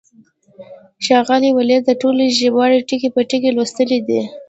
ښاغلي ولیزي دا ټولې ژباړې ټکی په ټکی لوستې دي.